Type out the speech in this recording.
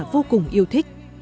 vô cùng yêu thích